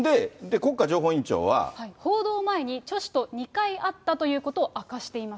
で、報道前にチョ氏と２回会ったということを明かしています。